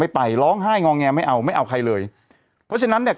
ไปร้องไห้งอแงไม่เอาไม่เอาใครเลยเพราะฉะนั้นเนี่ย